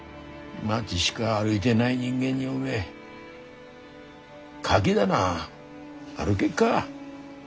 町しか歩いでない人間におめえカキ棚歩げっか。